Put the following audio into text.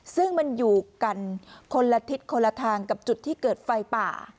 ซึ่งมันอยู่กันคนละทิศคนละทางกับจุดที่เกิดไฟป่า